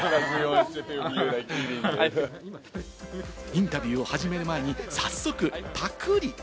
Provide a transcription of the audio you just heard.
インタビューを始める前に早速、パクリ。